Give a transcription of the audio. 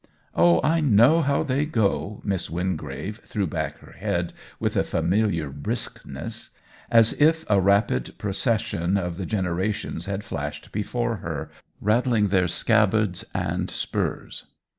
" Oh, I know how they go !" Miss Win OWEN WINGRAVE 167 grave threw back her head with a familiar briskness, as if a rapid procession of the generations had flashed before her, rattling their scabbards and spurs.